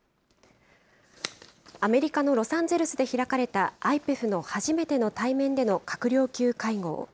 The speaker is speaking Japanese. アメリカのロサンゼルスで開かれたＩＰＥＦの初めての対面での閣僚級会合。